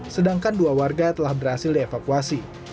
sedangkan dua warga telah berhasil dievakuasi